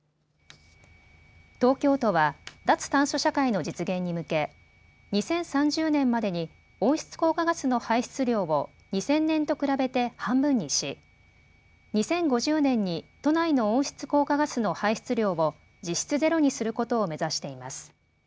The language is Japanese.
東京都は脱炭素社会の実現に向け２０３０年までに温室効果ガスの排出量を２０００年と比べて半分にし２０５０年に都内の温室効果ガスの排出量を実質ゼロにすることを目指しています。